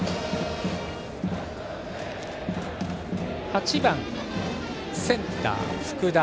８番センター、福田。